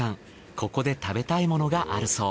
ここで食べたいものがあるそう。